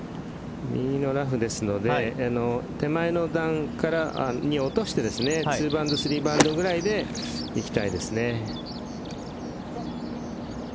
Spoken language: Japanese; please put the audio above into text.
右のラフですので手前の段から落として２バウンド３バウンドぐらいでいきたいですね。